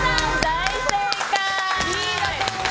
大正解！